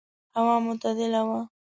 هوا معتدله وه.